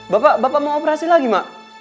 bapak mau operasi lagi ma